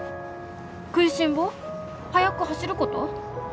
食いしん坊？速く走ること？